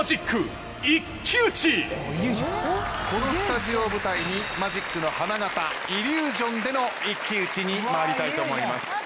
このスタジオを舞台にマジックの花形イリュージョンでの一騎打ちに参りたいと思います。